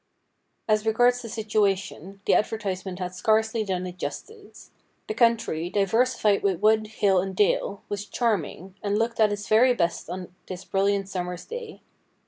As regards the situation, the advertisement had scarcely done it justice. The country, diversified with wood, hill and dale, was charming, and looked at its very best on this bril liant summer's day.